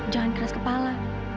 jangan keras kepala